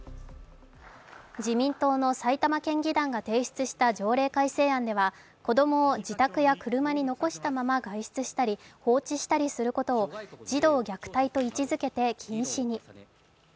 自民党の埼玉県議団が提出した条例改正案では子供を自宅や車に残したまま外出したり放置したりすることを児童虐待と位置づけて禁止に。